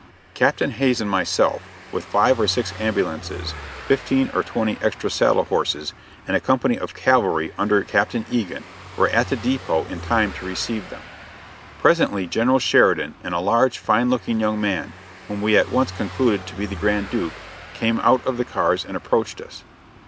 Captain Hays and myself, with five or six ambulances, fifteen or twenty extra saddle horses and a company of cavalry under Captain Egan, were at the dépôt in time to receive them. Presently General Sheridan and a large, fine looking young man, whom we at once concluded to be the Grand Duke came out of the cars and approached us.